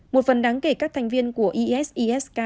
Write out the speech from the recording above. một phần đáng kể các thành viên của isis k